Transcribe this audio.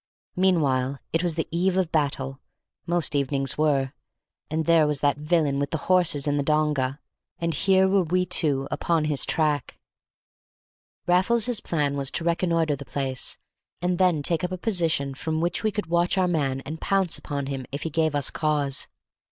Meanwhile it was the eve of battle (most evenings were), and there was that villain with the horses in the donga, and here were we two upon his track. Raffles's plan was to reconnoitre the place, and then take up a position from which we could watch our man and pounce upon him if he gave us cause.